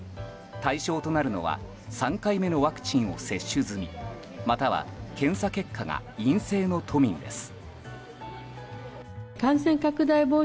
対象となるのは３回目のワクチンを接種済みまたは検査結果が陰性の都民です。